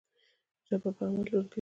ژبه په عمل ژوند کوي.